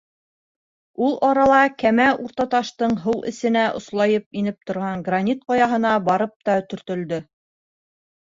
Ул арала кәмә Уртаташтың һыу эсенә ослайып инеп торған гранит ҡаяһына барып та төртөлдө.